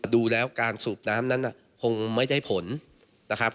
ดูแล้วการสูบน้ำนั้นคงไม่ได้ผลนะครับ